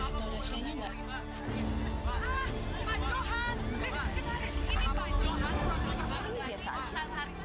dari dorasinya gak